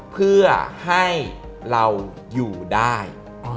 เพื่อให้เราอยู่ได้